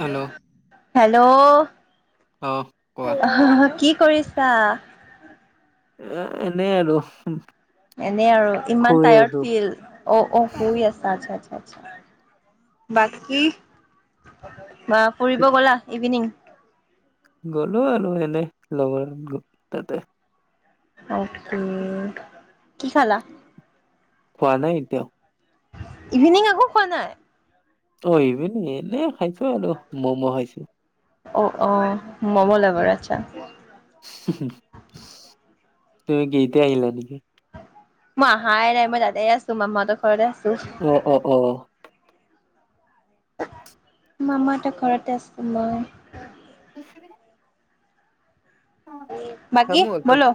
Hello hello, অ কোৱা। আহ কি কৰিছা এ এনে আৰু এনে আৰু ইমান শুই টায়াৰ্ড আছো ফিল অ', অ' শুই আছা আতচা আতচা। বাকী বা ফুৰিব গ'লা ইভিনিং। গ'লো আৰু এনেই লগৰ তাতে। অকে কি খালা? খোৱা নাই এতিয়াও। ইভিনিং একো খোৱা নাই? অ', ইভিনি এনে খাইছো আৰু মম' খাইছো। অ', অ', মম' লাভাৰ আতচা। তুমি কি এতিয়া আহিলা নেকি? মই আহাই নাই মই তাতেই আছো মামাহঁতৰ ঘৰতে আছ অ', অ', অ। মামা এটা ঘৰতে আছে মই। [unintelligible] বাকী ব'লো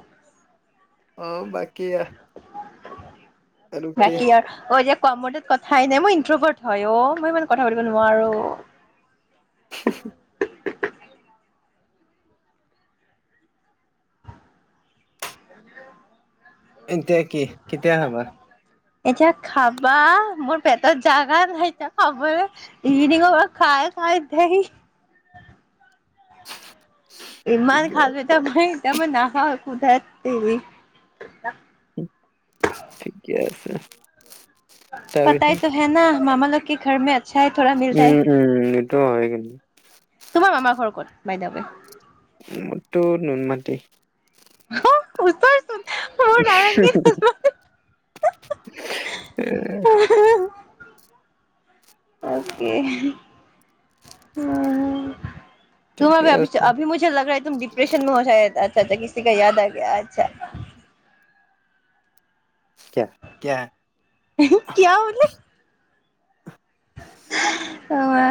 অ', বাকী আ বাকী [unintelligible] কোৱা মোৰটো কথাই নাই মই ইন্ত্ৰভাৰ্ত অ', মই ইমান কথা পাতিব নোৱাৰো। [unintelligible] [unintelligible] এতিয়া কি কেতিয়া হবা। এতিয়া খাবা মোৰ পেটৰ জাগা নাই [unintelligible] খাই খা এতিয়া আহি ইমান ঠিকে খাল এতিয়া ম ই নাখাও একো ঠাইত দে ঠিকে আছে। তাৰপিছত [unintelligible] [unintelligible] উম, উম, উম। টো হয় কিন্তু। তোমাৰ মামাৰ ঘৰ কত বাইদ ৱে। মোৰত টো নুনমাটি। অহ, ওচৰত। [unintelligible] অকে। [unintelligible] ঠিকে আছে। ক কিয়া। [unintelligible] [unintelligible] অমা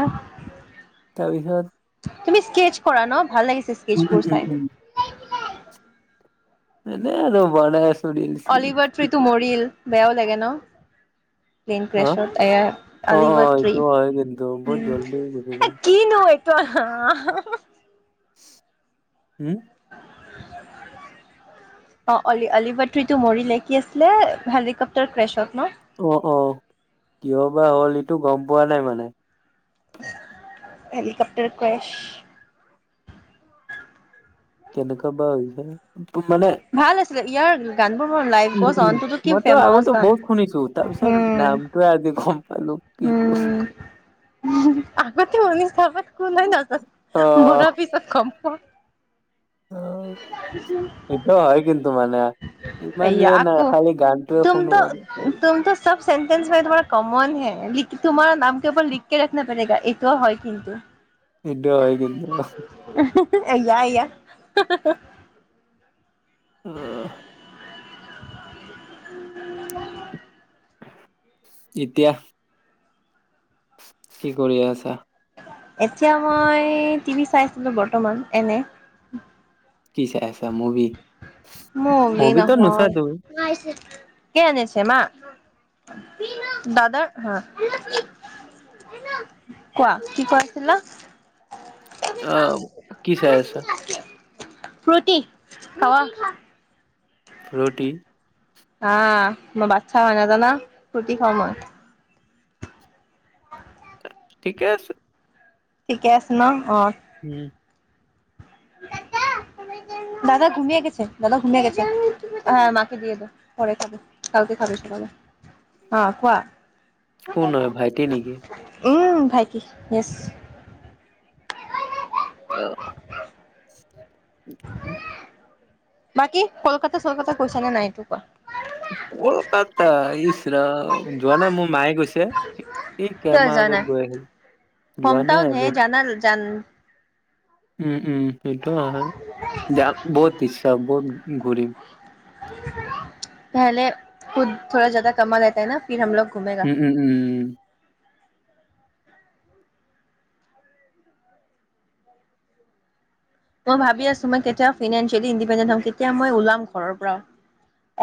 তাৰপিছত। তুমি স্কেচ কৰা ন ভাল লাগিছে। উম স্কেকচ বোৰ উম উম চাই। এনে, আৰু বনাই আছোঁ। অলিভাৰ ট্ৰিতটো মৰিল। বেয়াও লাগে ন। হা প্লেনক্ৰেচট এয়া অ অ অলিভাট্ৰি এইটো হয় কিন্তু বহুত জল্দি গুচি এ গ'ল কিনো [unintelligible] হম। অ অলি অলিবাট্ৰিতো মৰিলে কি আছিলে হেলিকপ্টাৰ ক্ৰেছক ন। অ, অ কিয় বা হ'ল ইটো গম পোৱা নাই মানে। Helicopter crash. কেনেকা বা হৈছে। মানে ভাল আছিলে ইয়াৰ গানবোৰ মোৰ লাইভ উম, গ'জ উম অনটোতো কি মইতো ফেমাউচ আগতো গান বহুত শুনিছোঁ তাৰ পিছত উম নামটোয়ে আজি কম আালুক কি ষ উম আগতে অনিছা বা অ [unintelligible] মৰাৰ পিছত গম পোৱা। অ', এইটো হয় কিন্তু মানে ইমান এয়া দিয়া নাই আকৌ খালী গানটোৱে শুনো আৰু সেন্তেঞ্চ মে কমন হে লিখ তোমাৰ নাম কে উপৰ লিখকে ৰাখনা পৰেগা এইটোও হয় কিন্তু। এইটো হয় কিন্তু। য়া য়া। অঁ। এতিয়া। কি কৰি আছা? এতিয়া মই টিভি চাইছিলো বৰ্তমান এনে। কি চাই আছা মুভি? মুভি মুভিতো নোচোৱা নহয়। তুমি কি আনিছে মা? দাদাৰ হা, কোৱা কি কৈছিলা? আহ কি চাই আছা? [unintelligible] ফ্ৰুতি খাবা? ফ্ৰুটি? অঁ, মই বাচ্ছা হয় নাজানা? ফ্ৰূতি খাওঁ মই। ঠিকে আছে। ঠিকে আছে ন? অঁ। উম। দাদা ঘুমে গেছে দাদা ঘুমে গেছে হ মাকে দিয়ে দেও পৰে খাবে কালকে খাবে সকালে অঁ, কোৱা। কোন হয় ভাইটি নেকি? উম ভাইটি য়েছ। অ'। বাকী কলকাতা চলকাতা গৈছা নে নাই এইটো কোৱা। কলকাতা ইছ ৰাম যোৱা নাই মোৰ মায়ে গৈছে এই কিয় কেইমাহ যোৱা নাই আগত গৈ আহিল, হোম যোৱা টাউন নাই হে আৰু। জানা জান উম। উম সেইটো হয় যাক বহুত ইচ্ছা বহুত ঘূৰিম। পেহলে খুদ থৰা জাদা কামা লেটা হে না? ফিৰ হম লগ ঘুমেগা উম উম উম উম। মই ভাবি আছো মই কেতিয়া ফিনেঞ্চিয়েলি ইণ্ডিপেণ্ডেণ্ট হম কেতিয়া মই ওলাম ঘৰ পৰা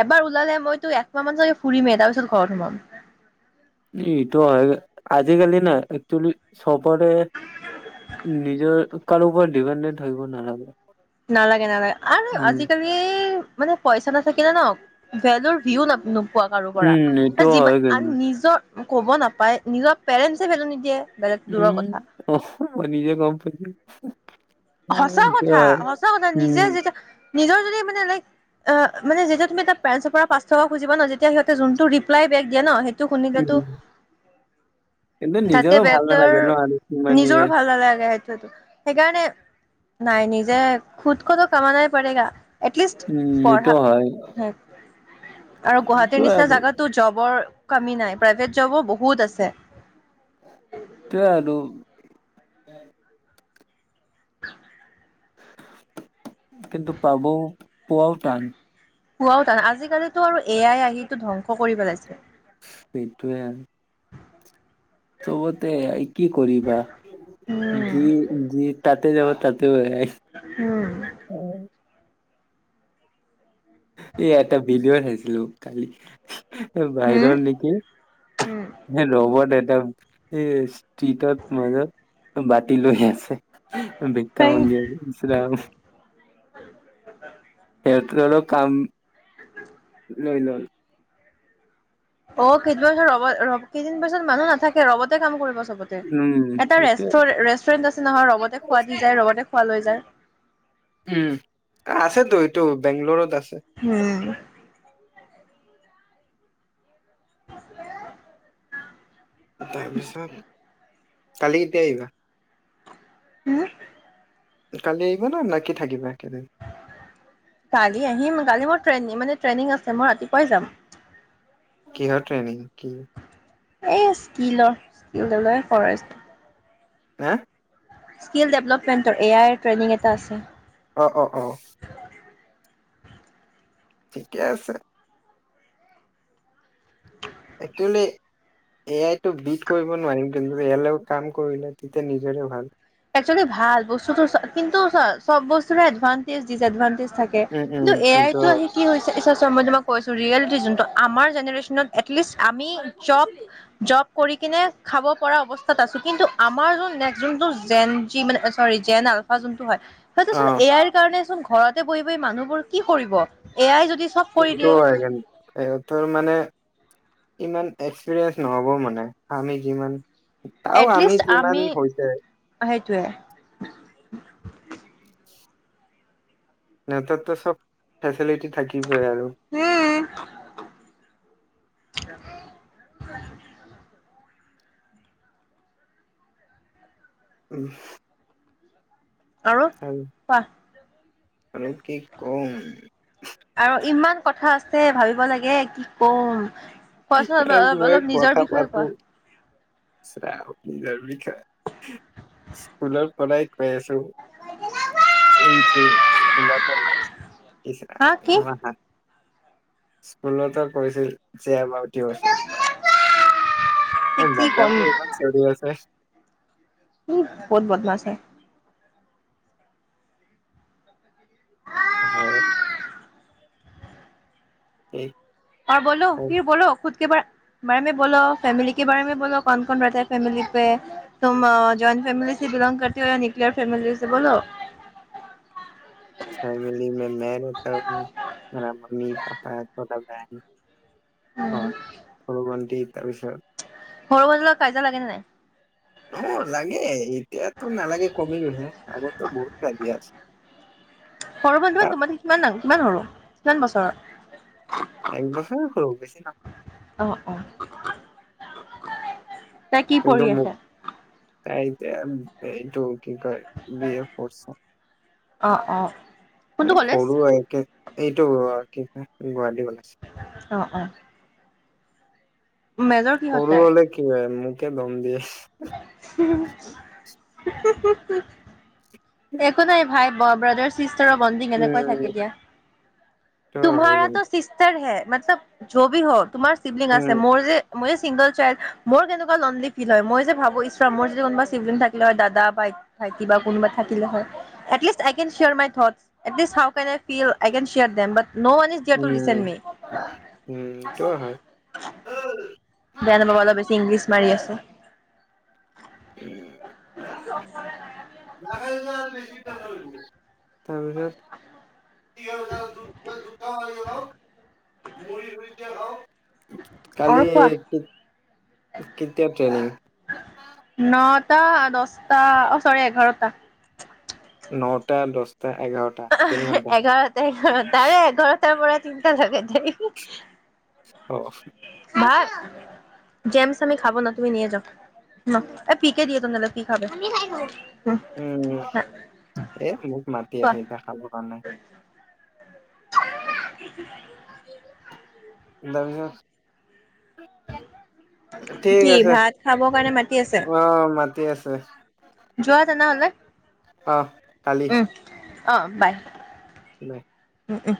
এবাৰ ওলালে মইটো একমাহমান চাগে ফুৰিমেই তাৰ পিছত ঘৰত সোমাম। এইটো হয় আজিকালি না একচুলী চবৰে নিজৰ কাৰো ওপৰত ডিপেণ্ডেণ্ট থাকিব নালাগে। নালাগে নালাগে আৰু উম, আজিকালি মানে পইচা নাথাকিলে ন ভেলুৰ ভিউ না নো পোৱা কাৰো পৰা উম এইটো যিমান হয় আৰু কিন্তু। নিজৰ ক'ব নাপাই নিজৰ পেৰেণ্টছে ভেলো নিদিয়ে। বেলেগ দূৰৰ উম কথা অ' মই নিজে কম্প সঁচা কথা সঁচা কথা উম, নিজে যেতিয়া নিজৰ যদি মানে লাইক মানে যেতিয়া তুমি এটা পেৰেণ্টছৰ পৰা পাঁচ টকা খুজিবা ন যেতিয়া সিহঁতে যোনটো ৰিপ্লাই বেক দিয়ে ন শুনিলেতো উম। কিন্তু তাতকে নিজৰো ভাল বেতাৰ নালাগে ন আৰু কিমান নিজৰো ইয়ে ভাল নালাগে স সেইকাৰণে নাই নিজে খুদ ক তৈ কমানা পাৰেগা। এটলিষ্ট উম, এইটো পঢ়া হয়। আৰু গুৱাহাটীৰ সেইটোয়ে নিচিনা আৰু জাগাতো জবৰ। কমি নাই প্ৰাইভেট জবো বহুত আছে। [unintelligible] [unintelligible] কিন্তু পাব পোৱাও টান। পোৱাও টান আজিকালিতো আৰু এয়াই আহি ধ্বংস কৰি পেলাইছে। সেইটোৱে। চবতে কি কৰিবা যি যি তাততে যাব তাত। উ এই এটা ভিডিও হেল্ল খালি এই হুম বাহিৰত নেকি উম ৰব এ [unintelligible] টাত মাজে বাতি লৈ আছে। ভিক্কা সেই মাংগি আছে ইচ ৰাম। [unintelligible] কাম [unintelligible] লৈ ল'ল অ' কেইদিন বছৰ ৰ ৰ কেইদিন বাছত মানুহ নাথাকে ৰবতে কাম কৰিব স বতে উম, এটা ৰে সেইটোয়ে ৰেষ্টুৰেন্ট আছে নহয় ৰবতে খোৱা দি যায় ৰবতে খোৱা লৈ যায়। উম আছেতো এইটো বেংগলৰত আছে। উম। [unintelligible] তাৰপিছত কালি এতিয়াই আহিবা হম কালি আহিবা নে না কি থাকিবা একেদিন? কালি আহিম কালি মোৰ ট্ৰেনিং মানে ট্ৰেনিং আছে মই ৰাতিপুৱাই যাম কিহৰ ট্ৰেইনিং কি এই স্কিলৰ স্কিলৰে ফৰেষ্ট হা স্কিল ডেভলপমেণ্টৰ এ আইৰ ট্ৰেইনিং এটা আছে অ অ অ ঠিকে আছে একচুৱেলি এ আইতটো বিট কৰিব নোৱাৰিম কিন্তু ইয়াৰ লগত কাম কৰিলে তেতিয়া নিজৰে ভাল একচুৱেলি ভাল বস্তুতটো কিন্তু চ চব বস্তুৰে এডভানটেজ ডিচ এডভানটেজ থাকে উম, উম, কিন্তু এ এইটো আইতটো আহি কি হৈছে চোৱা চোৱা মই কৈ আছো ৰিয়েলিটি যোনটো আমাৰ জেনেৰে্চনত এটলিষ্ট আমি জব জব কৰি কিনে খাব পৰা অৱস্থাত আছো কিন্তু আমাৰ যোন নেক্স যোনটো জেন যি মানে চৰি জেন আলফা যোনটো হয় সেইটোচোন অ', এ আইৰ কাৰণেচোন ঘৰতে বহি বহি মানুহবোৰ কি কৰিব এ আই যদি চব কৰি সেইটো দিয়ে হয় এই তোৰ মানে ইমান এক্সপিৰিয়েঞ্চ নহব মানে আমি যিমান চাও আমি কিমান হৈছে সেইটোৱে নেটত ত চব ফেচিলিটি থাকিবই আৰু উম [inaudible] উম [inaudible] আৰু কোৱা আৰু কি কম আৰু ইমান কথা আছে ভাবিব লাগে কি কম কোৱাচোন এ অল অলপ নিজৰ বিষয়ে কোৱা ও নিজৰ বিষয়ে স্কুলৰ পৰাই কৈ আছো এইটো স্কুল এটা ইছৱ হা কি [unintelligible] স্কুলতে কৈছিল চে এবাউট ইওৰ [unintelligible] অই কি কম বেকগ্ৰাউণ্ডটো ইমান চিওৰি আছে উম বহুত বদমাছ হয় হয় কি অৰ বলও, ফিৰ বলওঁ খুত। বাৰ বাৰেমে বলো, ফেমিলি কে বাৰে ম বলো কন কন ৰেতে ফেমিলি পে? তুম জইণ্ট ফেমিলিছে বিলং কৰতে হ কীয়া নিউক্লিয়াৰ ফেমিলিছে ব'লো? ফেমিলি মে মেহ ৰেহটা হু, [unintelligible] অৰ চতা বেহেন। অ' উম সৰু ভণ্টি। তাৰপিছত? সৰু-মাজুবিলা কাজিয়া লাগে নে নাই? অ' লাগে, এতিয়াতো নালাগে কমি গৈছে। আগততো বহুত কাজিয়া আছে। সৰু ভণ্টি তোমাতকে কিমান ডাঙ কিমান সৰু কিমান বছৰৰ? এক বছৰ হল বেছি না আহ অ। তাই কি কিন্তু পঢ়ি মোৰ আছে? তাই এতিয়া এইটো কি কয় বি এ পঢ়িছোঁ, অ অ কোনটো কলেজ? কৰোঁ একে এইটো কি বা, গুৱাহাটী কলে অ অ। মেজৰ কিহত সৰু তাইৰ? হলে কি হয় মোক কে দম দিয়ে। [unintelligible] একো নাই ভাই ব্ৰ ব্ৰাদাৰ চিছ তাৰৰ বডিং এনেকুৱাই উম থাকে দিয়া। সেইটো হয় তুমহাৰাটো কিন্তু চিষ্টৰ হে। মতলব য বি হ তোমাৰ চিবলিং আছে উম মোৰ যে মই যে চিংগল চাইল্ড, মোৰ কেনেকুৱা লনলি ফিল হয়, মই যে ভাবো ইচ ৰাম মোৰ যদি কোনোবা চিৱলিংগ থাকিলে হয় দাদা বা ভাইটি বা কোনোবা থাকিলে হয়। At least I can share my thoughts, at least how can I feel I can share them but um, um, সেইটোয়ো হয়। বেয়া নাপাবা অলপ বেছি ইংলিছ মাৰি আছোঁ। [unintelligible] তাৰপিছত [unintelligible] আৰু কালি কোৱা। [unintelligible] কেতিয়া ট্ৰেনিং? টা, দচটা অ', চৰি এঘাৰটা। নটা, দচ অ', এঘাৰটা, এঘাৰটা আৰু এঘাৰটাৰ মূৰত তিন্তা লগাই ঠেই অ'। বা জেমচ আমি খাব না তুমি নিয়ে যাওঁ ন এ পিকে দিয়া তেনেহ'লে পি খাবে উম, এ মোক মাতি কোৱা আছে এতিয়া খাবৰ কাৰণে। [inaudible] দাৰগা ঠিক কি আছে, ভাত খাবৰ কাৰণে মাতি আছে অ', মাতি আছে। যোৱা তেনেহ'লে। অহ, কালি। উম অ', বাই। নাই। উম, উম।